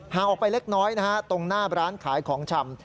ออกไปเล็กน้อยนะฮะตรงหน้าร้านขายของชำ